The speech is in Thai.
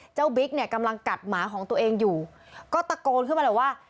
บิ๊กเนี่ยกำลังกัดหมาของตัวเองอยู่ก็ตะโกนขึ้นมาเลยว่า